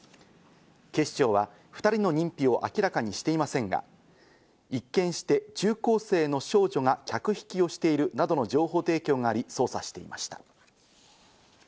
警視庁は２人の認否を明らかにしていませんが、一見して中高生の少女が客引きをしているなどの情報提供があり捜査していました。